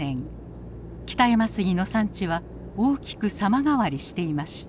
北山杉の産地は大きく様変わりしていました。